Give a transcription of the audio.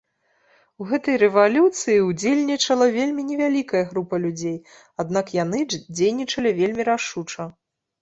У гэтай рэвалюцыі ўдзельнічала вельмі невялікая група людзей, аднак яны дзейнічалі вельмі рашуча.